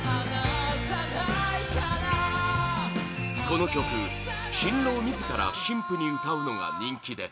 この曲、新郎自ら新婦に歌うのが人気で